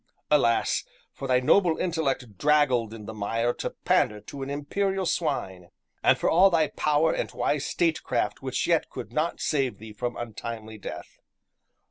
Alas! for thy noble intellect draggled in the mire to pander to an Imperial Swine, and for all thy power and wise statecraft which yet could not save thee from untimely death.